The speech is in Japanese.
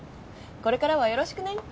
これからはよろしくね！